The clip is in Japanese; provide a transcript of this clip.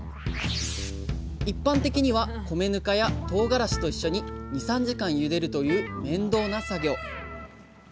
一般的には米ぬかやとうがらしと一緒に２３時間ゆでるという面倒な作業。